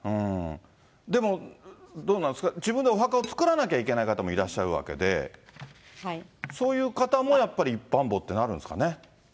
でも、どうなんですか、自分でお墓を作らなきゃいけない方もいらっしゃるわけで、そういう方もやっぱり一般墓ってなるんですかね。